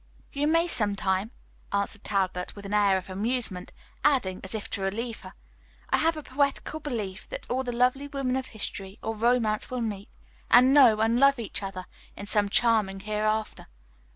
"You may sometime," answered Talbot, with an air of amusement; adding, as if to relieve her, "I have a poetical belief that all the lovely women of history or romance will meet, and know, and love each other in some charming hereafter."